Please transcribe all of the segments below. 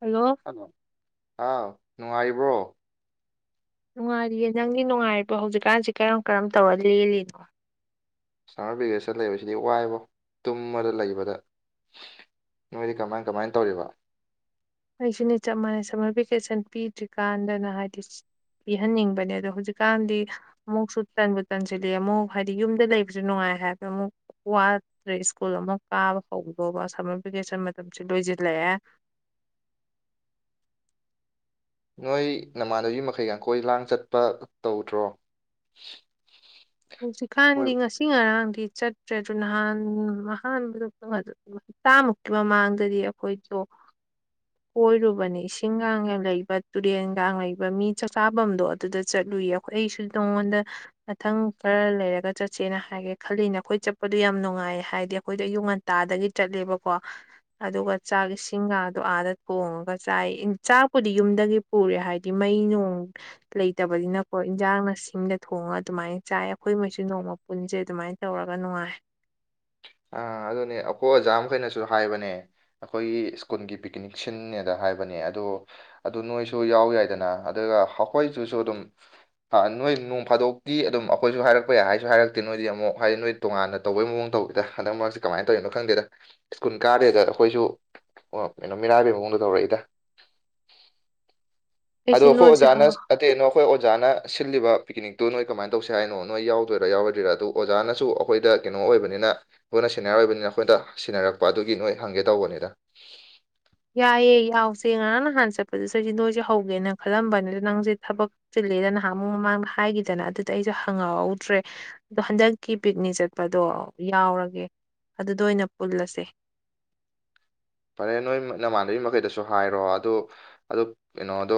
hello ꯑꯥꯎ ꯅꯨꯡꯉꯥꯏꯔꯤꯕ꯭ꯔꯣ ꯅꯨꯡꯉꯥꯏꯔꯤꯌꯦ ꯅꯪꯗꯤ ꯅꯨꯡꯉꯥꯏꯔꯤꯕꯣ ꯍꯧꯖꯤꯛꯀꯥꯟꯁꯤ ꯀꯔꯝ ꯀꯔꯝ ꯇꯧꯔ ꯂꯦꯜꯂꯤꯅꯣ ꯁꯝꯃꯔ ꯚꯦꯀꯦꯁꯟ ꯂꯩꯕꯁꯤꯗꯤ ꯋꯥꯏꯕꯣ ꯇꯨꯝꯃꯗ ꯂꯩꯕꯗ ꯅꯣꯏꯗꯤ ꯀꯃꯥꯏ ꯀꯃꯥꯏꯅ ꯇꯧꯔꯤꯕ ꯑꯩꯁꯨꯅꯤ ꯆꯞ ꯃꯥꯟꯅꯩ ꯁꯝꯃꯔ ꯚꯦꯀꯦꯁꯟ ꯄꯤꯗ꯭ꯔꯤꯀꯥꯟꯗꯅ ꯍꯥꯏꯗꯤ ꯄꯤꯍꯟꯅꯤꯡꯕꯅꯦ ꯑꯗꯣ ꯍꯧꯖꯤꯛꯀꯥꯟꯗꯤ ꯑꯃꯨꯛꯁꯨ ꯇꯟꯕꯨ ꯇꯟꯁꯤꯜꯂ‌ꯦ ꯑꯃꯨꯛ ꯍꯥꯏꯗꯤ ꯌꯨꯝꯗ ꯂꯩꯕꯁꯨ ꯅꯨꯡꯉꯥꯏ ꯍꯥꯏꯕ ꯑꯃꯨꯛ ꯋꯥꯗ꯭ꯔꯦ ꯁ꯭ꯀꯨꯜ ꯑꯃ ꯀꯥꯕ ꯍꯧꯗꯧꯕ ꯁꯝꯃꯔ ꯚꯦꯀꯦꯁꯟ ꯃꯇꯝꯁꯤ ꯂꯣꯏꯁꯤꯜꯂꯛꯑꯦ ꯅꯣꯏ ꯅꯃꯥꯟꯅꯕꯤ ꯃꯈꯩꯒ ꯀ‌ꯣꯏ ꯂꯥꯡ ꯆꯠꯄ ꯇꯧꯗ꯭ꯔꯣ ꯀꯣꯏ ꯍꯧꯖꯤꯛꯀꯥꯟꯗꯤ ꯉꯁꯤ ꯉꯔꯥꯡꯗꯤ ꯆꯠꯇ꯭ꯔꯦ ꯑꯗꯨ ꯅꯍꯥꯟ ꯑꯍꯥꯟꯕꯗꯨꯇꯪ ꯆꯥꯃꯨꯛꯀꯤ ꯃꯃꯥꯡꯗꯗꯤ ꯑꯩꯈꯣꯏꯁꯨ ꯀꯣꯏꯔꯨꯕꯅꯦ ꯏꯁꯤꯡꯒꯒ ꯂꯩꯕ ꯇꯨꯔꯦꯟꯒ ꯂꯩꯕ ꯃꯤ ꯆꯥꯛꯆꯥꯥꯐꯝꯗꯣ ꯑꯗꯨꯗ ꯆꯠꯂꯨꯏꯌꯦ ꯑꯩꯁꯨ ꯅꯉ‌ꯣꯟꯗ ꯃꯊꯪ ꯈꯔ ꯂꯩꯔꯒ ꯆꯠꯁꯦꯅ ꯍꯥꯏꯒꯦ ꯈꯜꯂꯤꯅꯦ ꯑꯩꯈꯣꯏ ꯆꯠꯄꯗꯣ ꯌꯥꯝ ꯅꯨꯡꯉꯥꯏꯌꯦ ꯍꯥꯏꯗꯤ ꯑꯩꯈꯣꯏꯗ ꯑꯌꯨꯛ ꯉꯟ ꯇꯥꯗꯒꯤ ꯆꯠꯂꯦꯕꯀꯣ ꯑꯗꯨꯒ ꯆꯥꯛ ꯏꯁꯤꯡꯒꯗꯣ ꯑꯥꯗ ꯊꯣꯡꯉꯒ ꯆꯥꯏ ꯆꯥꯛꯄꯨꯗꯤ ꯌꯨꯝꯗꯒꯤ ꯄꯨꯔꯦ ꯍꯥꯏꯕꯗꯤ ꯃꯩ ꯅꯨꯡ ꯂꯩꯇꯕꯅꯤꯅꯀꯣ ꯏꯟꯖꯥꯡꯅ ꯁꯤꯡꯗ ꯊꯣꯡꯉ ꯑꯗꯨꯃꯥꯏꯅ ꯆꯥꯏ ꯑꯩꯈꯣꯏꯒꯩꯁꯨ ꯅꯣꯡꯃ ꯄꯨꯟꯁꯦ ꯑꯗꯨꯃꯥꯏꯅ ꯇꯧꯔꯒ ꯅꯨꯡꯉꯥꯏ ꯑ ꯑꯗꯨꯅꯦ ꯑꯩꯈꯣꯏ ꯑꯣꯖꯥ ꯃꯈꯩꯅꯁꯨ ꯍꯥꯏꯕꯅꯦ ꯑꯩꯈꯣꯏꯒꯤ ꯁ꯭ꯀꯨꯜꯒꯤ ꯄꯤꯛꯀꯅꯤꯛ ꯁꯤꯟꯟꯅꯦꯅ ꯍꯥꯏꯕꯅꯦ ꯑꯗꯣ ꯑꯗꯨ ꯅꯣꯏꯁꯨ ꯌꯥꯎ ꯌꯥꯏꯗꯅ ꯑꯗꯨꯒ ꯑꯩꯈꯣꯏꯁꯤꯁꯨ ꯑꯗꯨꯝ ꯅꯣꯏ ꯅꯣꯡ ꯐꯥꯗꯣꯛꯇꯤ ꯑꯗꯨꯝ ꯑꯩꯈꯣꯏꯁꯨ ꯍꯥꯏꯔꯛꯄ ꯌꯥꯏ ꯍꯥꯏꯁꯨ ꯍꯥꯏꯔꯛꯇ‌ꯦ ꯅ‌ꯣꯏꯗꯤ ꯑꯃꯨꯛ ꯍꯥꯏꯗꯤ ꯅꯣꯏ ꯇꯣꯉꯥꯟꯅ ꯇꯧꯕꯩ ꯃꯑ‌ꯣꯡꯗ ꯇꯧꯋ‌ꯦ ꯍꯟꯗꯛ ꯃꯔꯛꯁꯦ ꯀꯃꯥꯏꯅ ꯇꯧꯔꯤꯅꯣ ꯈꯪꯗꯦꯗ ꯁ꯭ꯀꯨꯜ ꯀꯥꯗꯦꯗ ꯑꯩꯈꯣꯏꯁꯨ ꯑꯣ ꯀꯩꯅꯣ ꯃꯤꯔꯥꯏꯕꯩ ꯃꯑꯣꯡꯗ ꯇꯧꯔꯛꯏꯗ ꯑꯗꯣ ꯑꯩꯁꯦ ꯅꯣꯏꯁꯦ ꯍꯣꯑꯣꯖꯥꯅ ꯑꯇꯩ [unintelligible] ꯑꯩꯈꯣꯏ ꯑꯣꯖꯥꯅ ꯁꯤꯜꯂꯤꯕ ꯄꯤꯛꯀꯅꯤꯛꯇꯨ ꯅꯣꯏ ꯀꯃꯥꯏꯅ ꯇꯧꯁꯤ ꯍꯥꯏꯅꯣ ꯅꯣꯏ ꯌꯥꯎꯗꯣꯏꯔꯥ ꯌꯥꯎꯔ‌ꯣꯏꯗ‌ꯣꯏꯔꯥꯗ‌ꯣ ꯑꯗꯨ ꯑꯣꯖꯥꯅꯁꯨ ꯑꯩꯈꯣꯏꯗ ꯀꯩꯅꯣ ꯑꯣꯏꯕꯅꯤꯅ ꯑꯈ‌ꯣꯏꯅ ꯁꯦꯅꯤ꯭ꯌꯥꯔ ꯑꯣꯏꯕꯅꯤꯅ ꯑꯩꯈꯣꯏꯗ ꯁꯤꯟꯅꯔꯛꯄ ꯑꯗꯨꯒꯤ ꯅꯣꯏ ꯍꯪꯒꯦ ꯇꯧꯕꯅꯤꯗ ꯌꯥꯏꯌꯦ ꯌꯥꯎꯁꯦ ꯉꯔꯥꯡ ꯅꯍꯥꯟꯅ ꯆꯠꯄꯗꯨꯁꯨ ꯅꯣꯏꯁꯦ ꯍꯧꯒꯦꯅ ꯈꯜꯂꯝꯕꯅꯤꯗ ꯅꯪꯁꯦ ꯊꯕꯛ ꯆꯤꯜꯂꯦꯗ ꯅꯍꯥꯟꯃꯨꯛ ꯃꯃꯥꯡꯗ ꯍꯥꯏꯈꯤꯗꯅ ꯑꯗꯨꯗ ꯑꯩꯁꯨ ꯍꯪꯉꯛꯍꯧꯗ꯭ꯔꯦ ꯑꯗꯣ ꯍꯟꯗꯛꯀꯤ ꯄꯤꯛꯅꯤꯛ ꯆꯠꯄꯗꯣ ꯌꯥꯎꯔꯒꯦ ꯑꯗꯨꯗ ꯑꯣꯏꯅ ꯄꯨꯜꯂꯁꯦ ꯐꯔꯦ ꯅꯣꯏ ꯅꯃꯥꯟꯅꯕꯤ ꯃꯈꯩꯗꯁꯨ ꯍꯥꯏꯔꯣ ꯑꯗꯨ ꯑꯗꯨ ꯀꯩꯅꯣꯗꯣ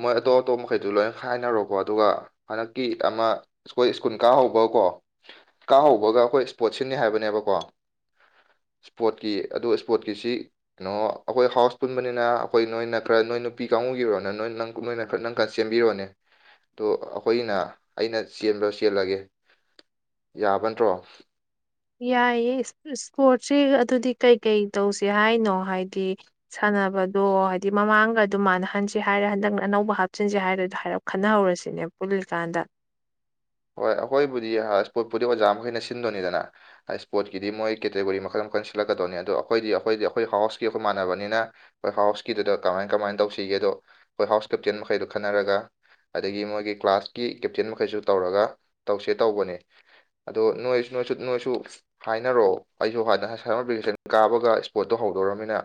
ꯃꯣꯏ ꯑꯇꯣꯞ ꯑꯇꯣꯞꯄ ꯃꯈꯩꯗꯨ ꯂꯣꯏꯅ ꯈꯥꯏꯅꯔꯣꯀꯣ ꯑꯗꯨꯒ ꯍꯟꯗꯛꯀꯤ ꯑꯃ ꯑꯩꯈꯣꯏ ꯁ꯭ꯀꯨꯜ ꯀꯥꯍꯧꯕꯀꯣ ꯀꯥꯍꯧꯕꯒ ꯑꯩꯈꯣꯏ ꯏꯁꯄꯣꯔꯠ ꯁꯤꯟꯅꯤ ꯍꯥꯏꯕꯅꯦꯕꯀꯣ ꯏꯁꯄꯣꯔꯠꯀꯤ ꯑꯗꯣ ꯏꯁꯄꯣꯔꯠꯀꯤꯁꯤ ꯀꯩꯅꯣ ꯑꯩꯈꯣꯏ ꯍꯥꯎꯁ ꯄꯨꯟꯕꯅꯤꯅ ꯑꯩꯈꯣꯏ ꯅꯣꯏꯅ ꯈꯔ ꯅꯣꯏ ꯅꯨꯄꯤ ꯀꯥꯡꯕꯨꯒꯤꯔꯣꯅ ꯅꯣꯏ ꯅꯪ ꯅ‌ꯣꯏꯅ ꯈꯔ ꯅꯪꯈꯔ ꯆ‌ꯦꯟꯕꯤꯔꯣꯅꯦ ꯑꯗ‌ꯣ ꯑꯩꯈꯣꯏꯅ ꯑꯩꯅ ꯆꯦꯟꯕ ꯆꯦꯜꯂꯒꯦ ꯌꯥꯕ ꯅꯠꯇ꯭ꯔꯣ ꯌꯥꯏꯌꯦ ꯏꯁꯄꯣꯔꯠꯁꯦ ꯑꯗꯨꯗꯤ ꯀꯩꯀꯩ ꯇꯧꯁꯦ ꯍꯥꯏꯅꯣ ꯍꯥꯏꯗꯤ ꯁꯥꯟꯅꯕꯗꯣ ꯍꯥꯏꯗꯤ ꯃꯃꯥꯡꯒ ꯑꯗꯨꯝ ꯃꯥꯟꯅꯍꯟꯁ‌ꯦ ꯍꯥꯏꯔ ꯍꯟꯗꯛꯅ ꯑꯅꯧꯕ ꯍꯥꯞꯆꯤꯟꯁꯦ ꯍꯥꯏꯔ ꯑꯗꯨ ꯍꯥꯏꯔꯛꯄ ꯈꯟꯅꯍꯧꯔꯁꯤꯅꯦ ꯄꯨꯜꯂꯤꯀꯥꯟꯗ ꯍꯣꯏ ꯑꯩꯈꯣꯏꯕꯨꯗꯤ ꯏꯁꯄ‌ꯣꯔꯠꯄꯨꯗꯤ ꯑꯣꯖꯥ ꯃꯈꯩꯅ ꯁꯤꯟꯗꯣꯏꯅꯤꯗꯅ ꯏꯁꯄꯣꯔꯠꯀꯤꯗꯤ ꯃꯣꯏ ꯀꯦꯇꯦꯒꯣꯔꯤ ꯃꯈꯜ ꯃꯈꯜ ꯁꯤꯜꯂꯛꯀꯗꯧꯅꯤ ꯑꯗꯣ ꯑꯩꯈꯣꯏꯗꯤ ꯑꯩꯈꯣꯏꯗꯤ ꯑꯩꯈꯣꯏ ꯍꯥꯎꯁꯀꯤ ꯑꯩꯈꯣꯏ ꯃꯥꯟꯅꯕꯅꯤꯅ ꯍꯣꯏ ꯍꯥꯎꯁꯀꯤꯗꯨꯗ ꯀꯃꯥꯏ ꯀꯃꯥꯏꯅ ꯇꯧꯁꯤꯒꯦꯗꯣ ꯍꯣꯏ ꯍꯥꯎꯁ ꯀꯦꯞꯇꯦꯟ ꯃꯈꯩꯗꯣ ꯈꯟꯅꯔꯒ ꯑꯗꯒꯤ ꯃꯣꯏꯒꯤ ꯀ꯭ꯂꯥꯁꯀꯤ ꯀꯦꯞꯇꯦꯟ ꯃꯈꯩꯁꯨ ꯇꯧꯔꯒ ꯇꯧꯁꯦ ꯇꯧꯕꯅꯦ ꯑꯗꯣ ꯅꯣꯏꯁꯨ ꯅꯣꯏꯁꯨ ꯅꯣꯏꯁꯨ ꯍꯥꯏꯅꯔꯣꯑꯣ ꯑꯩꯁꯨ ꯍꯗ ꯁꯃꯔ ꯚꯦꯀꯦꯁꯟ ꯀꯥꯕꯒ ꯏꯁꯄꯣꯠꯇꯣ ꯍꯧꯗꯣꯔꯃꯤꯅ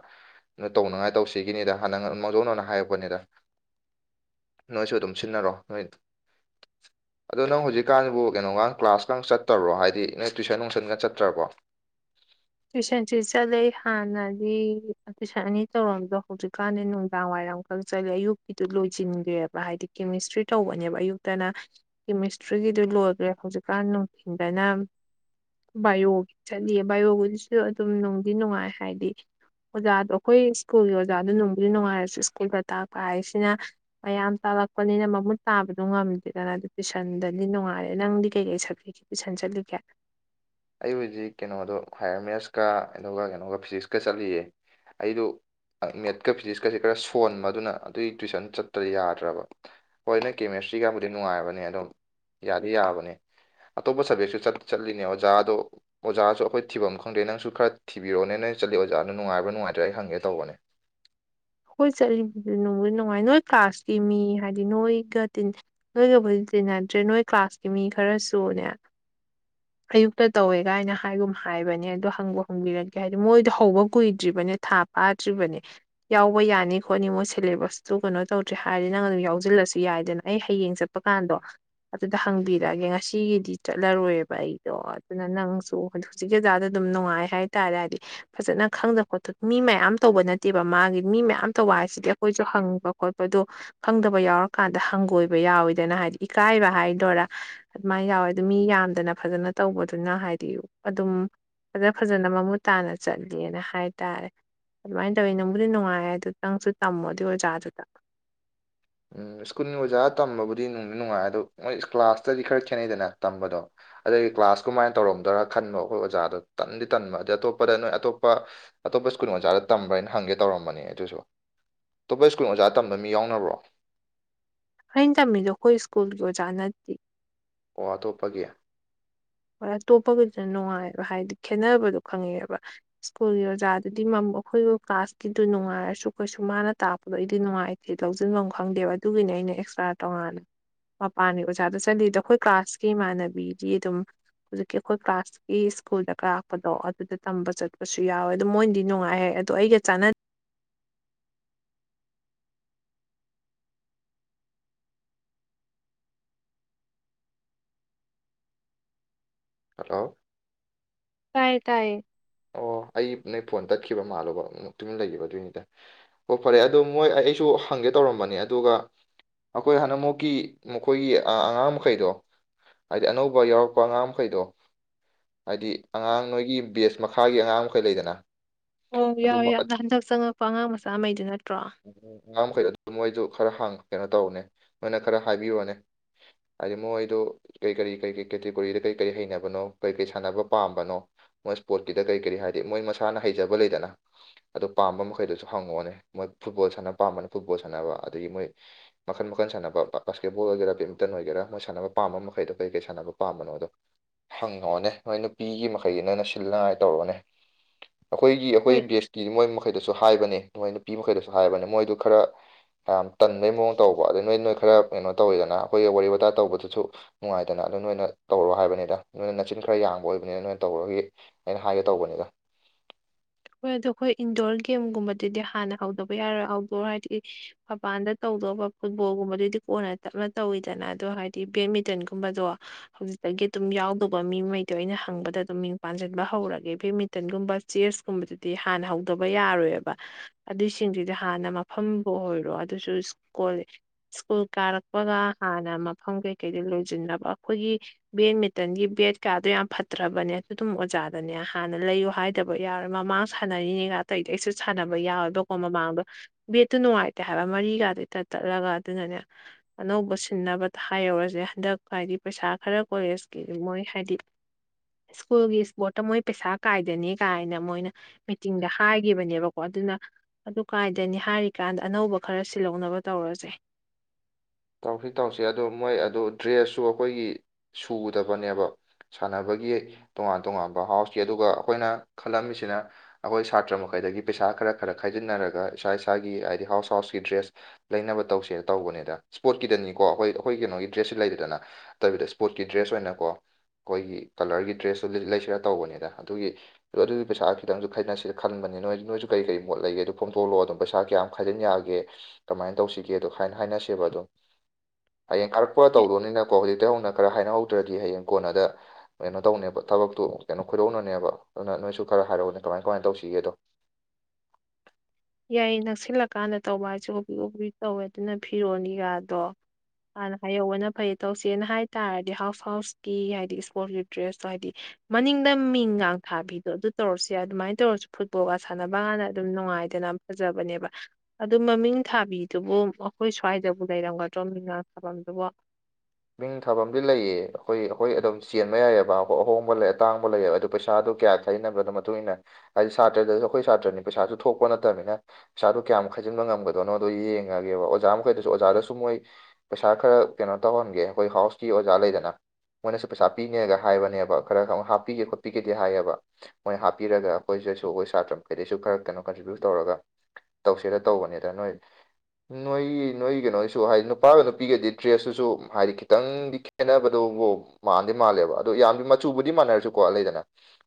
ꯇꯧꯅꯉꯥꯏ ꯇꯧꯁꯤꯒꯤꯅꯤꯗ ꯍꯥꯟꯅ ꯃꯥꯡꯖꯧꯅꯅ ꯍꯥꯏꯔꯛꯄꯅꯤꯗ ꯅꯣꯏꯁꯨ ꯑꯗꯨꯝ ꯁꯤꯟꯅꯔꯣ ꯅꯣꯏ ꯑꯗꯣ ꯅꯪ ꯍꯧꯖꯤꯛꯀꯥꯟꯁꯤꯕꯨ ꯀꯩꯅꯣꯒ ꯀ꯭ꯂꯥꯁꯀ ꯑꯝꯇ ꯆꯠꯇꯕ꯭ꯔꯣ ꯍꯥꯏꯗꯤ ꯅꯪ ꯇꯨꯏꯁꯟ ꯅꯨꯡꯁꯟꯒ ꯆꯠꯇ꯭ꯔꯕꯣ ꯇ꯭ꯌꯨꯁꯟꯁ‌ꯦ ꯆꯠꯂ‌ꯦ ꯍꯥꯟꯅꯗꯤ ꯇꯨꯏꯁꯟ ꯑꯅꯤ ꯇꯧꯔꯝꯃ‌ꯦꯕꯀ‌ꯣ ꯍꯧꯖꯤꯛꯀꯥꯟꯗꯤ ꯅꯨꯡꯗꯥꯡ ꯋꯥꯏꯔꯝꯈꯛ ꯆꯠꯂꯦ ꯑꯌꯨꯛꯀꯤꯗꯨ ꯂꯣꯏꯁꯤꯟꯈ꯭ꯔꯦꯕ ꯍꯥꯏꯗꯤ ꯀꯦꯃꯤꯁꯇ꯭ꯔꯤ ꯇꯧꯕꯅꯦꯕ ꯑꯌꯨꯛꯇꯅ ꯀꯦꯃꯤꯁꯇ꯭ꯔꯤꯒꯤꯗꯤ ꯂꯣꯏꯈ꯭ꯔꯦ ꯍꯧꯖꯤꯛꯀꯥꯟ ꯅꯨꯡꯊꯤꯟꯗꯅ ꯕꯥꯏꯌꯣꯒꯤ ꯆꯠꯂꯤꯌꯦ ꯕꯥꯏꯌꯣꯒꯤꯁꯨ ꯑꯗꯨꯝ ꯅꯨꯡꯗꯤ ꯅꯨꯡꯉꯥꯏ ꯍꯥꯏꯗꯤ ꯑꯣꯖꯥꯗ ꯑꯩꯈꯣꯏ ꯁ꯭ꯀꯨꯜꯒꯤ ꯑꯣꯖꯥꯗꯣ ꯅꯨꯡꯕꯨꯗꯤ ꯅꯨꯡꯉꯥꯏꯔꯁꯨ ꯁ꯭ꯀꯨꯜꯗ ꯇꯥꯛꯄ ꯍꯥꯏꯁꯤꯅ ꯃꯌꯥꯝ ꯇꯥꯛꯂꯛꯄꯅꯤꯅ ꯃꯃꯨꯠ ꯇꯥꯕꯗꯣ ꯉꯝꯗꯦꯗꯅ ꯑꯗꯨ ꯇꯨꯏꯁꯟꯗꯗꯤ ꯅꯨꯡꯉꯥꯏꯔꯦ ꯅꯪꯗꯤ ꯀꯩꯀꯩ ꯁꯞꯖꯦꯛ ꯇꯨꯏꯁꯟ ꯆꯠꯂꯤꯒꯦ ꯑꯩ ꯍꯧꯖꯤꯛ ꯀꯩꯅꯣꯗꯣ ꯍꯥꯏꯌꯔ ꯃꯦꯠꯁꯀ ꯑꯗꯨꯒ ꯀꯩꯅꯣꯒ ꯐꯤꯖꯤꯛꯁꯀ ꯆꯠꯂꯤꯌꯦ ꯑꯩꯗꯨ ꯃꯦꯠꯀ ꯐꯤꯖꯤꯛꯁꯀꯁꯦ ꯈꯔ ꯁꯣꯟꯕꯗꯨꯅ ꯑꯗꯨꯏ ꯇꯨꯋꯏꯁꯟ ꯆꯠꯇ꯭ꯔ ꯌꯥꯗ꯭ꯔꯕ ꯍꯣꯏ ꯅ ꯀꯦꯃꯦꯁꯇ꯭ꯔꯤꯒꯕꯨꯗꯤ ꯅꯨꯡꯉꯥꯏꯔꯕꯅꯤ ꯑꯗꯣ ꯌꯥꯗꯤ ꯌꯥꯕꯅꯦ ꯑꯇꯣꯞꯄ ꯁꯕꯖꯦꯛꯁꯨ ꯆꯠꯂꯤꯅꯦ ꯑꯣꯖꯥꯗꯣ ꯑꯣꯖꯥꯁꯨ ꯑꯩꯈꯣꯏ ꯊꯤꯐꯝꯝ ꯈꯪꯗꯦ ꯅꯪꯁꯨ ꯈꯔ ꯊꯤꯕꯤꯔꯣꯅꯦ ꯅꯣꯏ ꯆꯠꯂꯤꯜꯂꯤ ꯑꯣꯖꯥꯅ ꯅꯨꯡꯉꯥꯏꯕ꯭ꯔꯥ ꯅꯨꯡꯉꯥꯏꯇꯕꯔꯥ ꯑꯩ ꯍꯪꯒꯦ ꯇꯧꯕꯅꯦ ꯑꯩꯈꯣꯏ ꯆꯠꯂꯤꯗꯨꯗꯤ ꯅꯨꯡꯕꯨꯗꯤ ꯅꯨꯡꯉꯥꯏ ꯅꯣꯏ ꯀ꯭ꯂꯥꯁꯀꯤ ꯃꯤ ꯍꯥꯏꯗꯤ ꯅꯣꯏꯒ ꯇꯤꯟ ꯅꯣꯏꯒꯕꯨꯗꯤ ꯇꯤꯟꯅꯗ꯭ꯔꯦ ꯅꯣꯏ ꯀ꯭ꯂꯥꯁꯀꯤ ꯃꯤ ꯈꯔꯁꯨꯅꯦ [unintelligible] ꯑꯌꯨꯛꯇ ꯇꯧꯋꯦ ꯀꯥꯏꯅ ꯍꯥꯏꯒꯨꯝ ꯍꯥꯏꯕꯅꯦ ꯑꯗꯣ ꯍꯪꯕ ꯍꯪꯕꯤꯔꯛꯀꯦ ꯍꯥꯏꯗꯤ ꯃꯣꯏꯗꯣ ꯍꯧꯕ ꯀꯨꯏꯗ꯭ꯔꯤꯕꯅꯦ ꯊꯥ ꯄꯥꯗ꯭ꯔꯤꯕꯅꯦ ꯌꯥꯎꯕ ꯌꯥꯅꯤ ꯈꯣꯠꯅꯤ ꯃꯣꯏ ꯁꯤꯂꯦꯕꯁꯇꯨ ꯀꯩꯅꯣ ꯇꯧꯗ꯭ꯔꯦ ꯍꯥꯏꯔꯗꯤ ꯅꯪ ꯑꯗꯨꯝ ꯌꯥꯎꯁꯤꯜꯂꯁꯨ ꯌꯥꯏꯗꯅ ꯑꯩ ꯍꯌꯦꯡ ꯆꯠꯄ ꯆꯠꯄ ꯀꯥꯟꯗꯣ ꯑꯗꯨꯗ ꯍꯪꯕꯤꯔꯛꯑꯒꯦ ꯉꯁꯤꯒꯤꯗꯤ ꯆꯠꯂꯔꯣꯏꯕ ꯑꯩꯗꯣ ꯑꯗꯨꯅ ꯅꯪꯁꯨ ꯍꯧꯖꯤꯛꯀꯤ ꯑꯣꯖꯥꯗꯣ ꯑꯗꯨꯝ ꯅꯨꯡꯉꯥꯏ ꯍꯥꯏꯇꯥꯔꯦ ꯍꯥꯏꯗꯤ ꯐꯖꯅ ꯈꯪꯗ ꯈꯣꯠꯇ ꯃꯤ ꯃꯌꯥꯝ ꯇꯧꯕ ꯅꯠꯇꯦꯕ ꯃꯥꯒꯤ ꯃꯤ ꯃꯌꯥꯝ ꯊꯧꯕ ꯍꯥꯏꯁꯤꯗꯤ ꯑꯩꯈꯣꯏꯁꯨ ꯍꯪꯕ ꯈꯣꯠꯄꯗꯣ ꯈꯪꯗꯕ ꯌꯥꯎꯔꯀꯥꯟꯗ ꯍꯪꯒꯣꯏꯕ ꯌꯥꯎꯋꯤꯗꯅ ꯍꯥꯏꯗꯤ ꯏꯀꯥꯏꯕ ꯍꯥꯏꯗꯣꯏꯔꯥ ꯑꯗꯨꯃꯥꯏꯅ ꯌꯥꯎꯋꯦ ꯑꯗꯨ ꯃꯤ ꯌꯥꯝꯗꯅ ꯐꯖꯅ ꯇꯧꯕꯗꯨꯅ ꯍꯥꯏꯗꯤ ꯑꯗꯨꯝ ꯐꯖ ꯐꯖꯅ ꯃꯃꯨꯠ ꯇꯥꯅ ꯆꯠꯂꯤꯅ ꯍꯥꯏꯇꯥꯔꯦ ꯑꯗꯨꯃꯥꯏꯅ ꯇꯧꯋꯤ ꯅꯨꯡꯕꯨꯗꯤ ꯅꯨꯡꯉꯥꯏ ꯑꯗꯨ ꯅꯪꯁꯨ ꯇꯝꯃꯣ ꯑꯗꯨ ꯑꯣꯖꯥꯗꯨꯗ ꯎꯝ ꯁ꯭ꯀꯨꯜꯒꯤ ꯑꯣꯖꯥ ꯇꯝꯕꯕꯨꯗꯤ ꯅꯨꯡꯗꯤ ꯅꯨꯡꯉꯥꯏ ꯑꯗꯣ ꯃꯣꯏ ꯀ꯭ꯂꯥꯁꯇꯗꯤ ꯈꯔ ꯈꯦꯠꯅꯩꯗꯅ ꯇꯝꯕꯗꯣ ꯑꯗꯒꯤ ꯀ꯭ꯂꯥꯁ ꯀꯃꯥꯏꯅ ꯇꯧꯔꯝꯗꯣꯏꯔꯥ ꯈꯟꯕ ꯑꯩꯈꯣꯏ ꯑꯣꯖꯥꯗꯣ ꯇꯟꯗꯤ ꯇꯟꯕ ꯑꯗꯩ ꯑꯇꯣꯞꯄꯗ ꯅꯣꯏ ꯑꯇꯣꯞꯄ ꯑꯇꯣꯞꯄ ꯁ꯭ꯀꯨꯜ ꯑꯣꯖꯥꯗ ꯇꯝꯕ꯭ꯔꯅ ꯍꯪꯒꯦ ꯇꯧꯔꯝꯕꯅꯦ ꯑꯗꯨꯁꯨ ꯑꯇꯣꯞꯄ ꯁ꯭ꯀꯨꯜ ꯑꯣꯖꯥ ꯇꯝꯕ ꯃꯤ ꯌꯥꯎꯅꯕ꯭ꯔꯣ ꯑꯩ ꯇꯝꯃꯤꯗꯣ ꯑꯩꯈꯣꯏ ꯁ꯭ꯀꯨꯜꯒꯤ ꯑꯣꯖꯥ ꯅꯠꯇꯦ ꯑꯣ ꯑꯇꯣꯞꯄꯒꯤ ꯍꯣꯏ ꯑꯇꯣꯞꯄꯒꯤꯗꯨꯅ ꯅꯨꯡꯉꯥꯏꯑꯕ ꯍꯥꯏꯗꯤ ꯈꯦꯠꯅꯕꯗꯣ ꯈꯪꯉꯦꯕ ꯁ꯭ꯀꯨꯜꯒꯤ ꯑꯣꯖꯥꯗꯨꯗꯤ ꯑꯩꯈꯣꯏꯕꯨ ꯀ꯭ꯂꯥꯁꯀꯤꯗꯨ ꯅꯨꯡꯉꯥꯏꯔꯁꯨ ꯀꯩꯁꯨ ꯃꯥꯅ ꯇꯥꯛꯄꯗꯣ ꯑꯩꯗꯤ ꯅꯨꯡꯉꯥꯏꯇꯦ ꯂꯧꯖꯤꯟꯐꯝ ꯈꯪꯗꯦꯕ ꯑꯗꯨꯒꯤꯅꯦ ꯑꯩꯅ ꯑꯦꯛꯁꯇ꯭ꯔꯥ ꯇꯣꯡꯉꯥꯅ ꯃꯄꯥꯟꯒꯤ ꯑꯣꯖꯥꯗ ꯆꯜꯂꯤꯠꯂꯤ ꯑꯗꯣ ꯑꯩꯈꯣꯏ ꯀ꯭ꯂꯥꯁꯀꯤ ꯏꯃꯥꯟꯅꯕꯤꯗꯤ ꯑꯗꯨꯝ ꯍꯧꯖꯤꯛꯀꯤ ꯑꯩꯈꯣꯏ ꯀ꯭ꯂꯥꯁ ꯁ꯭ꯀꯨꯜꯗ ꯀꯥꯥꯛꯄꯗꯣ ꯑꯗꯨꯗ ꯇꯝꯕ ꯆꯠꯄꯁꯨ ꯌꯥꯎꯋꯦ ꯑꯗꯨ ꯃꯣꯏꯅꯗꯤ ꯅꯨꯡꯉꯥꯏ ꯍꯥꯏ ꯑꯗꯣ ꯑꯩꯒ ꯆꯥꯟꯅ ꯍꯜꯂꯣ ꯇꯥꯏꯌꯦ ꯇꯥꯏꯌꯦ ꯑꯣ ꯑꯩ ꯅꯣꯏ ꯐꯣꯟ ꯇꯠꯈꯤꯕ ꯃꯥꯜꯂꯣꯕ ꯇꯨꯃꯤꯟꯅ ꯂꯩꯈꯤꯕ ꯑꯗꯨꯏꯅꯤꯗ ꯑꯣ ꯐꯔꯦ ꯑꯗꯣ ꯃꯣꯏ ꯑꯩꯁꯨ ꯐꯪꯒꯦ ꯇꯧꯔꯝꯕꯅꯦ ꯑꯗꯨꯒ ꯑꯩꯈꯣꯏ ꯍꯟꯅꯃꯨꯛꯀꯤ ꯃꯈꯣꯏꯒꯤ ꯑꯉꯥꯡ ꯃꯈꯩꯗꯣ ꯍꯥꯏꯗꯤ ꯑꯅꯧꯕ ꯌꯥꯎꯔꯛꯄ ꯑꯉꯥ ꯃꯈꯩꯗꯣ ꯍꯥꯏꯗꯤ ꯑꯉꯥꯡ ꯅꯣꯏꯒꯤ ꯕꯦꯁ ꯃꯈꯥꯒꯤ ꯑꯉꯥꯡ ꯃꯈꯩ ꯂꯩꯗꯅ ꯑꯣ ꯌꯥꯎꯋꯦ ꯑꯗꯨꯝꯕ ꯍꯟꯗꯛ ꯆꯪꯉꯛꯄ ꯑꯉꯥꯡ ꯃꯆꯥꯉꯩꯗꯨ ꯅꯠꯇ꯭ꯔꯣ ꯑꯉꯥꯡ ꯃꯈꯩ ꯑꯗꯨ ꯃꯣꯏꯁꯨ ꯈꯔ ꯍꯥꯡ ꯀꯩꯅꯣ ꯇꯧꯅꯦ ꯅꯣꯏꯅ ꯈꯔ ꯍꯥꯏꯕꯤꯔꯣꯅꯦ ꯑꯔꯤꯃꯣꯏꯗꯨ ꯀꯩ ꯀꯔꯤ ꯀꯔꯤ ꯀꯩ ꯀꯩ ꯀꯦꯇꯦꯒꯣꯔꯤꯗ ꯀꯔꯤ ꯀꯔꯤ ꯍꯩꯅꯕꯅꯣ ꯀꯩ ꯀꯩ ꯁꯥꯟꯅꯕ ꯄꯥꯝꯕꯅꯣ ꯃꯣꯏ ꯏꯁꯄꯣꯔꯠꯀꯤꯗ ꯀꯔꯤ ꯀꯔꯤ ꯍꯥꯏꯗꯤ ꯃꯣꯏ ꯃꯁꯥꯅ ꯍꯩꯖꯕ ꯂꯩꯗꯅ ꯑꯗꯨ ꯄꯥꯝꯕ ꯃꯈꯩꯗꯨꯁꯨ ꯍꯪꯉꯣꯅꯦ ꯃꯣꯏ ꯐꯨꯠꯕꯣꯜ ꯁꯥꯟꯅ ꯄꯥꯝꯕꯅ ꯐꯨꯠꯕꯣꯜ ꯁꯥꯟꯅꯕ ꯑꯗꯒꯤ ꯃꯣꯏ ꯃꯈꯜ ꯃꯈꯜ ꯁꯥꯟꯅꯕ ꯕꯥꯁꯀꯦꯠ ꯕꯣꯜ ꯑꯣꯏꯒꯦꯔ ꯕꯦꯠꯃꯤꯇꯟ ꯑꯣꯏꯒꯦꯔꯥ ꯃꯣꯏ ꯁꯥꯟꯅꯕ ꯄꯥꯝꯕ ꯃꯈꯩꯗꯣ ꯀꯩ ꯀꯩꯥ ꯁꯥꯟꯅꯕ ꯄꯝꯕꯅꯣꯗꯣ ꯍꯪꯉꯛꯑꯣꯅꯦ ꯅꯣꯏ ꯅꯨꯄꯤꯒꯤ ꯃꯈꯩꯒꯤꯅ ꯅꯪ ꯁꯤꯜꯅꯉꯥꯏ ꯇꯧꯔꯣꯅꯦ ꯑꯈꯣꯏꯒꯤ ꯑꯈꯣꯏ ꯍꯣꯏ ꯕꯦꯁꯀꯤ ꯃꯣꯏ ꯃꯈꯩꯗꯁꯨ ꯍꯥꯏꯕꯅꯦ ꯃꯣꯏ ꯅꯨꯄꯤ ꯃꯈꯩꯗꯁꯨ ꯍꯥꯏꯕꯅꯦ ꯃꯣꯏꯗꯨ ꯈꯔ ꯌꯥꯝ ꯇꯟꯕꯩ ꯃꯑꯣꯡ ꯇꯧꯕ ꯑꯗꯩ ꯅꯣꯏ ꯅꯣꯏ ꯈꯔ ꯀꯩꯅꯣ ꯇꯧꯋꯤꯗꯅ ꯑꯈꯣꯏꯒ ꯋꯥꯔꯤ ꯋꯥꯇꯏ ꯇꯧꯕꯗꯨꯁꯨ ꯅꯨꯡꯉꯥꯏꯗꯅ ꯑꯗꯨ ꯅꯣꯏꯅ ꯇꯧꯔꯣ ꯍꯥꯏꯕꯅꯤꯗ ꯅꯣꯏꯅ ꯅꯆꯤꯟ ꯈꯔ ꯌꯥꯡꯕ ꯑꯣꯏꯕꯅꯤꯅ ꯅꯣꯏꯅ ꯇꯧꯔꯒꯤ ꯍꯦꯛ ꯍꯥꯏꯒꯦ ꯇꯧꯕꯅꯤꯗ ꯍꯣꯏ ꯑꯗꯣ ꯈꯣꯏ ꯏꯟꯗꯣꯔ ꯒꯦꯝꯒꯨꯝꯕꯗꯗꯤ ꯍꯥꯟꯅ ꯍꯧꯗꯕ ꯌꯥꯔꯣꯏ ꯑꯥꯎꯠꯗꯣꯔ ꯍꯥꯏꯗꯤ ꯃꯄꯥꯟꯗ ꯇꯧꯗꯧꯕ ꯐꯨꯠꯕꯣꯜꯒꯨꯝꯕꯗꯨꯗꯤ ꯀꯣꯟꯅ ꯇꯞꯅ ꯇꯧꯋꯤꯗꯅ ꯑꯗꯣ ꯍꯥꯏꯗꯤ ꯕꯦꯠꯃꯤꯟꯇꯟꯒꯨꯝꯕꯗꯣ ꯍꯧꯖꯤꯛꯇꯒꯤ ꯑꯗꯨꯝ ꯌꯥꯎꯗꯧꯕ ꯃꯤꯃꯩꯗꯣ ꯑꯩꯅ ꯍꯪꯕꯗ ꯑꯗꯨꯝ ꯃꯤꯡ ꯄꯥꯟꯖꯤꯟꯕ ꯍꯧꯔꯒꯦ ꯕꯦꯠꯃꯤꯇꯟꯒꯨꯝꯕ ꯆꯦꯔꯁ ꯁꯨꯝꯕꯗꯨꯗꯤ ꯍꯥꯟꯅ ꯍꯧꯗꯕ ꯌꯥꯔꯣꯏꯕ ꯑꯗꯨꯏꯁꯤꯡꯗꯨꯗꯤ ꯍꯥꯟꯅ ꯃꯐꯝꯕꯨ ꯑꯣꯏꯔꯣ ꯑꯗꯨꯁꯨ ꯀꯣꯜ ꯁ꯭ꯀꯨꯜ ꯀꯥꯔꯛꯄꯒ ꯍꯥꯟꯅ ꯃꯐꯝ ꯀꯩꯀꯩꯗ ꯂꯣꯏꯖꯤꯟꯅꯕ ꯑꯈꯣꯏꯒꯤ ꯕꯦꯠꯃꯤꯟꯇꯟꯒꯤ ꯕꯦꯠ ꯀꯥꯗꯣ ꯌꯥꯝ ꯐꯠꯇ꯭ꯔꯕꯅꯦ ꯑꯗꯨ ꯑꯗꯨꯝ ꯑꯣꯖꯥꯗꯅꯦ ꯍꯥꯟꯅ ꯂꯩꯌꯨ ꯍꯥꯏꯗꯕ ꯌꯥꯔ ꯃꯃꯥꯡ ꯁꯥꯟꯅꯔꯤꯅꯤꯒ ꯇꯧꯔꯤꯗꯣ ꯑꯩꯁꯨ ꯁꯥꯟꯅꯕ ꯌꯥꯎꯋꯦꯕꯀꯣ ꯃꯃꯥꯡꯗꯣ ꯕꯦꯠꯇꯨ ꯅꯨꯡꯉꯥꯏꯇꯦ ꯍꯥꯏꯕ ꯃꯔꯤꯒꯇꯨ ꯏꯇꯥꯠ ꯇꯥꯠꯂꯒ ꯑꯗꯨꯅꯅꯦ ꯑꯅꯧꯕ ꯁꯤꯟꯅꯕ ꯍꯥꯏꯍꯧꯔꯖꯦ ꯍꯥꯟꯗꯛ ꯍꯥꯏꯗꯤ ꯄꯩꯁꯥ ꯈꯔ ꯀꯣꯂꯦꯖꯀꯤ ꯃꯣꯏ ꯍꯥꯏꯗꯤ [inaudible] ꯁ꯭ꯀꯨꯜꯒꯤ ꯏꯁꯄꯣꯔꯠꯇ ꯃꯣꯏ ꯄꯩꯁꯥ ꯀꯥꯏꯗꯅꯤ ꯀꯥꯏꯅ ꯃꯣꯏꯅ ꯃꯤꯇꯤꯡꯗ ꯍꯥꯏꯒꯤꯕꯅꯦꯕꯀꯣ ꯑꯗꯨꯅ ꯑꯗꯨ ꯀꯥꯏꯗꯅꯤ ꯍꯥꯏꯔꯤꯀꯥꯟꯗ ꯑꯅꯧꯕ ꯈꯔ ꯁꯤꯜꯂꯧꯅꯕ ꯇꯧꯔꯁꯦ ꯇꯧꯁꯤ ꯇꯧꯁꯤ ꯑꯗꯣ ꯃꯣꯏ ꯑꯗꯨ ꯗ꯭ꯔꯦꯁꯁꯨ ꯑꯈꯣꯏꯒꯤ ꯁꯨꯗꯕꯅꯦꯕ ꯁꯥꯟꯅꯕꯒꯤ ꯇꯣꯉꯥꯟ ꯇꯣꯉꯥꯟꯕ ꯍꯥꯎꯁꯀꯤ ꯑꯗꯨꯒ ꯑꯈꯣꯏꯅ ꯈꯜꯂꯝꯃꯤꯁꯤꯅ ꯑꯈꯣꯏ ꯁꯥꯇ꯭ꯔ ꯃꯈꯩꯗꯒꯤ ꯄꯩꯁꯥ ꯈꯔ ꯈꯔ ꯈꯥꯏꯖꯤꯟꯅꯔꯒ ꯏꯁꯥ ꯏꯁꯥꯒꯤ ꯍꯥꯏꯗꯤ ꯍꯥꯎꯁ ꯍꯥꯎꯁꯀꯤ ꯗ꯭ꯔꯦꯁ ꯂꯩꯅꯕ ꯇꯧꯁꯦꯅ ꯇꯧꯕꯅꯤꯗ ꯏꯁꯄꯣꯔꯠꯀꯤꯗꯅꯤꯀꯣ ꯑꯈꯣꯏ ꯑꯈꯣꯏ ꯀꯩꯅꯣꯒꯤ ꯗ꯭ꯔꯦꯁꯁꯨ ꯂꯩꯗ ꯅꯠꯇꯕꯤꯗ ꯏꯁꯄꯣꯔꯠꯀꯤ ꯗ꯭ꯔꯦꯁ ꯑꯣꯏꯅꯀꯣ ꯑꯈꯣꯏꯒꯤ ꯀꯂꯔꯒꯤ ꯗ꯭ꯔꯦꯁꯇꯨ ꯂꯩꯁꯤꯔ ꯇꯧꯕꯅꯤꯗ ꯑꯗꯨꯒꯤ ꯑꯗꯨꯒꯤꯁꯥ ꯈꯤꯇꯪꯁꯨ ꯈꯥꯏꯅꯁꯤꯔ ꯈꯟꯕꯅꯤ ꯅꯣꯏꯁꯨ ꯅꯣꯏꯁꯨ ꯀꯔꯤ ꯀꯔꯤ ꯃꯣꯠ ꯂꯩꯒꯦꯗꯣ ꯐꯣꯡꯇꯣꯛꯂꯛꯑꯣ ꯑꯗꯨꯝ ꯄꯩꯁꯥ ꯀꯌꯥꯝ ꯈꯥꯏꯖꯤꯟ ꯌꯥꯒꯦ ꯀꯃꯥꯏꯅ ꯇꯧꯁꯤꯒꯦꯗꯣ ꯍꯥꯏꯅ ꯍꯥꯏꯅꯁꯦꯕ ꯑꯗꯣ ꯍꯌꯦꯡ [unintelligible] ꯇꯧꯗꯧꯅꯤꯅꯀꯣ ꯍꯧꯖꯤꯛꯇꯩ ꯍꯧꯅ ꯈꯔ ꯍꯥꯏꯅꯍꯧꯗ꯭ꯔꯗꯤ ꯍꯌꯦꯡ ꯀꯣꯟꯅꯗ ꯀꯩꯅꯣ ꯇꯧꯅꯦꯕ ꯊꯕꯛꯇꯨ ꯀꯩꯅꯣ ꯈꯨꯠꯅꯧꯅꯅꯦꯕ ꯑꯗꯨꯅ ꯅꯣꯏꯁꯨ ꯈꯔ ꯍꯥꯏꯔꯛꯑꯣꯅꯦ ꯀꯃꯥꯏ ꯀꯃꯥꯏꯟ ꯇꯧꯁꯤꯒꯦꯗꯣ ꯌꯥꯏ ꯅꯛꯁꯤꯜꯂꯀꯥꯟꯗ ꯇꯧꯕ ꯍꯥꯏꯁꯦ ꯍꯣꯕꯤ ꯍꯣꯕꯤ ꯇꯧꯋꯦ ꯑꯗꯨꯅ ꯐꯤꯔꯣꯜ ꯀꯩꯀꯥꯗꯣ ꯍꯥꯟꯅ ꯍꯥꯏ ꯍꯧꯕꯅ ꯐꯩ ꯇꯧꯁꯦꯅ ꯍꯥꯏꯇꯥꯔꯗꯤ ꯍꯥꯎꯁ ꯍꯥꯎꯁꯀꯤ ꯍꯥꯏꯗꯤ ꯏꯁꯄꯣꯔꯜꯠꯀꯤ ꯗ꯭ꯔꯦꯁꯇꯣ ꯍꯥꯏꯗꯤ ꯃꯅꯤꯡꯗ ꯃꯤꯡꯒꯥꯡ ꯊꯥꯕꯤꯗꯣ ꯑꯗꯨ ꯇꯧꯔꯁꯨ ꯌꯥꯏ ꯑꯗꯨꯃꯥꯏꯟ ꯇꯧꯔꯁꯨ ꯐꯨꯠꯕꯣꯜꯒ ꯁꯥꯟꯅꯕ ꯀꯥꯟꯅ ꯑꯗꯨꯝ ꯅꯨꯡꯉꯥꯏ ꯗꯅ ꯐꯖꯕꯅꯦꯕ ꯑꯗꯨ ꯃꯃꯤꯡ ꯊꯥꯕꯤꯗꯨꯕꯨ ꯑꯈꯣꯏ ꯁ꯭ꯋꯥꯏꯗꯕꯨ ꯂꯩꯔꯝꯒꯗ꯭ꯔꯣ ꯃꯤꯉꯥ ꯊꯥꯕꯝꯗꯨꯕꯨ ꯃꯤꯡ ꯊꯥꯕꯝꯗꯤ ꯂꯩꯌꯦ ꯑꯈꯣꯏ ꯑꯈꯣꯏ ꯑꯗꯨꯝ ꯆꯦꯟꯕ ꯌꯥꯏꯌꯦꯕ ꯑꯍꯣꯡꯕ ꯂꯩ ꯑꯇꯥꯡꯕ ꯂꯩꯌꯦꯕ ꯑꯗꯨ ꯄꯩꯁꯥꯗꯣ ꯀꯌꯥ ꯂꯩꯅꯕ ꯃꯇꯨꯡ ꯏꯟꯅ ꯍꯥꯏꯗꯤ ꯁꯥꯇ꯭ꯔꯗꯁꯨ ꯑꯈꯣꯏ ꯁꯥꯇ꯭ꯔꯅꯤ ꯄꯩꯁꯥꯁꯨ ꯊꯣꯛꯄ ꯅꯠꯇꯝꯅꯤꯅ ꯄꯩꯁꯥꯗꯨ ꯀꯌꯥꯃꯨꯛ ꯈꯥꯏꯖꯤꯟꯕ ꯉꯝꯒꯗꯣꯅꯣꯗꯣ ꯌꯦꯡꯉꯥꯒꯦꯕ ꯑꯣꯖꯥ ꯃꯈꯩꯗꯁꯨ ꯑꯣꯖꯥꯗꯁꯨ ꯃꯣꯏ ꯄꯩꯁꯥ ꯈꯔ ꯀꯩꯅꯣ ꯇꯧꯍꯟꯒꯦ ꯑꯈꯣꯏ ꯍꯥꯎꯁꯀꯤ ꯑꯣꯖꯥ ꯂꯩꯗꯅ ꯃꯣꯏꯅꯁꯨ ꯄꯩꯁꯥ ꯄꯤꯅꯦꯒ ꯍꯥꯏꯕꯅꯦꯕ ꯈꯔ ꯈꯔ ꯍꯥꯞꯄꯤꯒꯦ ꯈꯣꯠꯄꯤꯒꯦꯗꯤ ꯍꯥꯏꯌꯦꯕ ꯃꯣꯏ ꯍꯥꯞꯄꯤꯔꯒ ꯑꯈꯣꯏꯗꯁꯨ ꯑꯈꯣꯏ ꯁꯥꯇ꯭ꯔ ꯃꯈꯩꯗꯁꯨ ꯈꯔ ꯀꯩꯅꯣ ꯀꯟꯇ꯭ꯔꯤꯕ꯭ꯌꯨꯠ ꯇꯧꯔꯒ ꯇꯧꯁꯤꯔ ꯇꯧꯕꯅꯦꯗ ꯅꯣꯏ ꯅꯣꯏꯒꯤ ꯅꯣꯏ ꯀꯩꯅꯣꯁꯨ ꯍꯥꯏ ꯅꯨꯄꯥꯒ ꯅꯨꯄꯤꯒꯗꯤ ꯗ꯭ꯔꯦꯁꯇꯨꯁꯨ ꯍꯥꯏꯗꯤ ꯈꯤꯇꯪꯗꯤ ꯈꯦꯠꯅꯕꯗꯨꯕꯨ ꯃꯥꯟꯗꯤ ꯃꯥꯜꯂꯦꯕ ꯑꯗꯣ ꯌꯥꯝꯗꯤ ꯃꯆꯨꯕꯨꯗꯤ ꯃꯥꯟꯅꯔꯁꯨꯀꯣ ꯂꯩꯗꯅ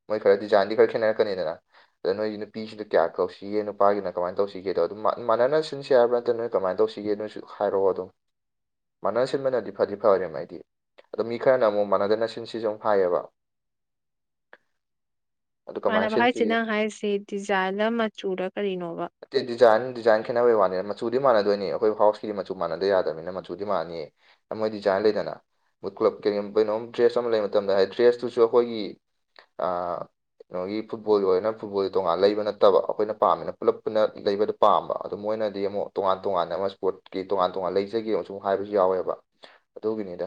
ꯃꯣꯏ ꯈꯔ ꯗꯤꯖꯥꯏꯟꯗꯤ ꯈꯔ ꯈꯦꯠꯅꯔꯛꯀꯅꯤꯗꯅ ꯑꯗ ꯅꯣꯏ ꯅꯨꯄꯤꯁꯤꯅ ꯀꯌꯥ ꯀꯧꯁꯤꯒꯦ ꯅꯨꯄꯥꯒꯤꯅ ꯀꯃꯥꯏꯅ ꯇꯧꯁꯤꯒꯦꯗꯣ ꯑꯗꯨ ꯃꯥꯟꯅꯅ ꯁꯤꯟꯁꯤ ꯍꯥꯏꯕ ꯅꯠꯇꯅ ꯀꯃꯥꯏ ꯇꯧꯁꯤꯒꯦ ꯅꯣꯏꯁꯨ ꯍꯥꯏꯔꯛꯑꯣ ꯑꯗꯨꯝ ꯃꯥꯟꯅ ꯁꯤꯟꯕꯅꯗꯤ ꯐꯗꯤ ꯐꯔꯦ ꯍꯥꯏꯗꯤ ꯑꯗꯣ ꯃꯤ ꯈꯔꯅ ꯑꯃꯨꯛ ꯃꯥꯟꯅꯗꯅ ꯁꯤꯟꯁꯤꯁꯨ ꯍꯥꯏꯌꯦꯕ [unintelligible] ꯀꯃꯥꯏꯅ ꯃꯥꯟꯅꯕ ꯍꯥꯏꯁꯤ ꯁꯤꯟꯁꯤꯒꯦ ꯅꯪ ꯍꯥꯏꯔꯤꯁꯤ ꯗꯤꯖꯥꯏꯟꯔ ꯃꯆꯨꯔ ꯀꯔꯤꯅꯣꯕ ꯑꯦ ꯗꯤꯖꯥꯏꯟ ꯗꯤꯖꯥꯏꯟ ꯈꯦꯠꯅꯕꯩ ꯋꯥꯅꯤ ꯃꯆꯨꯗꯤ ꯃꯥꯟꯅꯗꯣꯏꯅꯤ ꯑꯩꯈꯣꯏ ꯍꯥꯎꯁꯀꯤ ꯃꯆꯨ ꯃꯥꯟꯅꯗ ꯌꯥꯗꯕꯅꯤꯅ ꯃꯆꯨꯗꯤ ꯃꯥꯟꯅꯅꯤꯌꯦ ꯃꯣꯏ ꯗꯤꯖꯥꯏꯟ ꯂꯩꯗꯅ ꯃꯣꯏ ꯀ꯭ꯂꯕ ꯀꯩꯅꯣꯝ ꯗ꯭ꯔꯦꯁ ꯑꯃ ꯂꯩꯕ ꯃꯇꯝꯗ ꯍꯥꯏꯗꯤ ꯗ꯭ꯔꯦꯁꯇꯨꯁꯨ ꯑꯩꯈꯣꯏꯒꯤ ꯑꯥ ꯀꯩꯅꯣꯒꯤ ꯐꯨꯠꯕꯣꯜꯒꯤ ꯑꯣꯏꯔꯅ ꯐꯨꯠꯕꯣꯜꯒꯤ ꯇꯣꯉꯥꯟꯅ ꯂꯩꯕ ꯅꯠꯇꯕ ꯑꯩꯈꯣꯏꯅ ꯄꯥꯝꯃꯤꯅ ꯄꯨꯂꯞ ꯄꯨꯟꯅ ꯂꯩꯕꯗꯣ ꯄꯥꯝꯕ ꯑꯗꯣ ꯃꯣꯏꯅꯗꯤ ꯑꯃꯨꯛ ꯇꯣꯉꯥꯟ ꯇꯣꯉꯥꯟꯅ ꯑꯃ ꯁ꯭ꯄꯣꯔꯠꯀꯤ ꯇꯣꯉꯥꯟ ꯇꯣꯉꯥꯟ ꯂꯩꯖꯒꯦ ꯑꯃꯁꯨ ꯍꯥꯏꯕꯁꯨ ꯌꯥꯎꯋꯦꯕ ꯑꯗꯨꯒꯤꯅꯤꯗ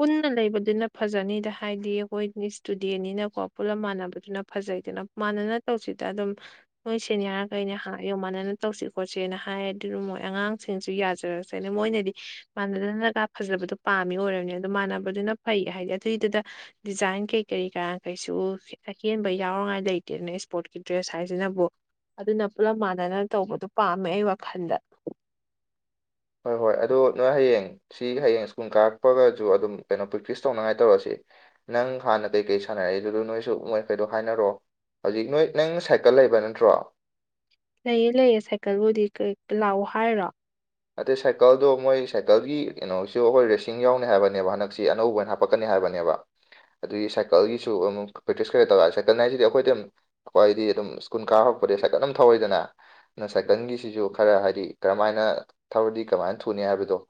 ꯄꯨꯟꯅ ꯂꯩꯕꯗꯨꯅ ꯐꯖꯅꯤꯗ ꯍꯥꯏꯗꯤ ꯑꯩꯈꯣꯏ ꯁ꯭ꯇꯨꯗꯦꯟꯅꯤꯅꯀꯣ ꯄꯨꯜꯂꯞ ꯃꯥꯟꯅꯕꯗꯨꯅ ꯐꯖꯩꯗꯅ ꯃꯥꯟꯅꯅ ꯇꯧꯁꯤꯗ ꯑꯗꯨꯝ ꯅꯣꯏ ꯁꯦꯅꯤꯌꯥꯔꯈꯩꯅ ꯍꯥꯏꯌꯣ ꯃꯥꯟꯅꯅ ꯇꯧꯁꯤ ꯈꯣꯠꯁꯦꯅ ꯍꯥꯏꯔꯗꯤ ꯃꯣꯏ ꯑꯉꯥꯡꯁꯤꯡꯁꯨ ꯌꯥꯖꯔ [inaudible] ꯃꯣꯏꯅꯗꯤ ꯃꯥꯟꯅꯗꯅꯒ ꯐꯖꯕꯗꯣ ꯄꯥꯝꯃꯤ ꯑꯣꯏꯔꯝꯅꯤ ꯃꯥꯟꯅꯕꯗꯨꯅ ꯐꯩ ꯍꯥꯏꯗꯤ ꯑꯗꯨꯏꯗꯨꯗ ꯗꯤꯖꯥꯏꯟ ꯀꯩ ꯀꯩ ꯀꯔꯥ ꯀꯩꯁꯨ ꯑꯍꯦꯟꯕ ꯌꯥꯎꯔꯤꯉꯥꯏ ꯂꯩꯇꯦꯗꯅ ꯁ꯭ꯄꯣꯔꯠꯀꯤ ꯗ꯭ꯔꯦꯁ ꯍꯥꯏꯁꯤꯅꯕꯨ ꯑꯗꯨꯅ ꯄꯨꯂꯞ ꯃꯥꯟꯅꯅ ꯇꯧꯕꯗꯨ ꯄꯥꯝꯃꯦ ꯑꯩ ꯋꯥꯈꯜꯗ ꯍꯣꯏ ꯍꯣꯏ ꯑꯗꯨ ꯅꯣꯏ ꯍꯌꯦꯡ ꯁꯤꯒꯤ ꯍꯌꯦꯡ ꯁ꯭ꯀꯨꯜ ꯀꯥꯔꯛꯄꯒꯁꯨ ꯑꯗꯨꯝ ꯀꯩꯅꯣ ꯄ꯭ꯔꯦꯛꯇꯤꯁ ꯇꯧꯅꯉꯥꯏ ꯇꯧꯔꯁꯦ ꯅꯪ ꯍꯥꯟꯅ ꯀꯩꯀꯩ ꯁꯥꯟꯅꯔꯛꯏꯗꯨ ꯅꯣꯏꯁꯨ ꯃꯣꯏꯈꯩꯗꯣ ꯍꯥꯏꯅꯔꯛꯑꯣ ꯍꯧꯖꯤꯛ ꯅꯣꯏ ꯅꯪ ꯁꯥꯏꯀꯜ ꯂꯩꯕ ꯅꯠꯇ꯭ꯔꯣ ꯂꯩꯌꯦ ꯂꯩꯌꯦ ꯁꯥꯏꯀꯜꯕꯨꯗꯤ ꯀꯩ ꯂꯥꯛꯑꯣ ꯍꯥꯏꯔꯣ ꯑꯗꯨꯏ ꯁꯥꯏꯀꯜꯗꯣ ꯃꯣꯏ ꯁꯥꯏꯀꯜꯒꯤ ꯀꯩꯅꯣꯁꯨ ꯑꯩꯈꯣꯏ ꯔꯦꯁꯤꯡ ꯌꯥꯎꯅꯤ ꯍꯥꯏꯕꯅꯦꯕ ꯍꯟꯗꯛꯁꯤ ꯑꯅꯧꯕ ꯍꯥꯞ ꯄꯛꯀꯅꯤ ꯍꯥꯏꯕꯅꯦꯕ ꯑꯗꯨꯒꯤ ꯁꯥꯏꯀꯜꯒꯤꯁꯨ ꯑꯃꯨꯛ ꯄ꯭ꯔꯦꯛꯇꯤꯁ ꯈꯔ ꯇꯧ ꯁꯥꯏꯀꯜ ꯍꯥꯏꯁꯤꯗꯤ ꯑꯩꯈꯣꯏꯗꯤ ꯑꯩꯈꯣꯏꯗꯤ ꯑꯗꯨꯝ ꯁ꯭ꯀꯨꯜ ꯀꯥ ꯍꯧꯔꯛꯄꯗꯒꯤ ꯁꯥꯏꯀꯜ ꯑꯗꯨꯝ ꯊꯧꯋꯤꯗꯅ ꯅ ꯁꯥꯏꯀꯜꯒꯤꯁꯤꯁꯨ ꯈꯔ ꯍꯥꯏꯗꯤ ꯀꯔꯝꯃꯥꯏꯅ ꯊꯧꯔꯗꯤ ꯀꯃꯥꯏꯅ ꯊꯨꯅꯤ ꯍꯥꯏꯕꯗꯣ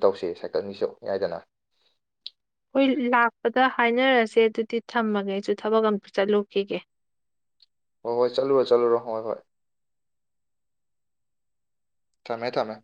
ꯇꯧꯁꯦ ꯁꯥꯏꯀꯜꯒꯤꯁꯨ ꯌꯥꯏꯗꯅ ꯍꯣꯏ ꯂꯥꯛꯄꯗ ꯍꯥꯏꯅꯔꯁꯦ ꯑꯗꯨꯗꯤ ꯊꯝꯃꯒꯦ ꯑꯩꯁꯨ ꯊꯕꯛ ꯑꯝꯇ ꯆꯠꯂꯨꯈꯤꯒꯦ ꯍꯣꯏ ꯍꯣꯏ ꯆꯠꯂꯨꯔꯣ ꯆꯠꯂꯨꯔꯣ ꯍꯣꯏ ꯍꯣꯏ ꯊꯝꯃꯦ ꯊꯝꯃꯦ